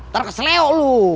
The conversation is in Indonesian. terkes leuk lu